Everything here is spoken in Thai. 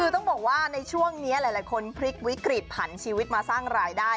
คือต้องบอกว่าในช่วงนี้หลายคนพลิกวิกฤตผันชีวิตมาสร้างรายได้